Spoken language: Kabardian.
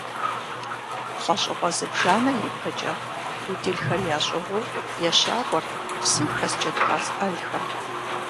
Лӏэщӏыгъуэ зыбжанэ ипэкӏэ пуделхэр ящӏыгъуу ещакӏуэрт псым хэс джэдкъаз ӏэлхэм.